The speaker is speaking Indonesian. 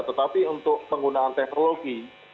tetapi untuk penggunaan teknologi